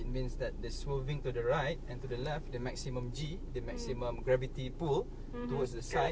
มันไม่สูงเท่าไหร่เพราะมันเต็มแต่เมื่อมันเต็มมันคือ๐๘๐๙